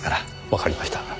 わかりました。